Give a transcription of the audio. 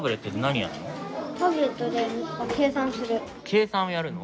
計算をやるの？